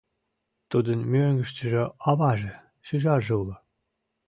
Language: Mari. Тудын мӧҥгыштыжӧ аваже, шӱжарже уло.